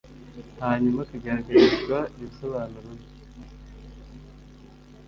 hanyuma akagaragarizwa ibisobanuro bye